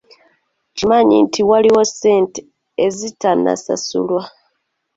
Nkimanyi nti waliyo ssente ezitanasasulwa.